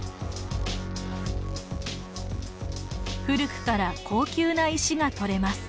古くから高級な石が採れます。